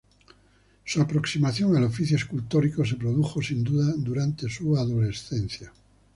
Su aproximación al oficio escultórico se produjo sin duda durante su adolescencia.